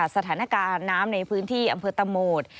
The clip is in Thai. สถานการณ์น้ำในพื้นที่อำเภอตะโหมด